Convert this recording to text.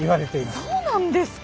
そうなんですか！？